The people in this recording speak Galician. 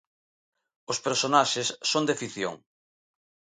Os personaxes son de ficción.